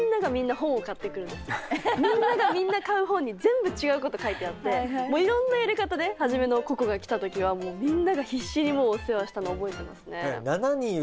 みんながみんな買う本に全部違うこと書いてあっていろんなやり方で初めのＣｏＣｏが来た時はもうみんなが必死にお世話をしたのを覚えてますね。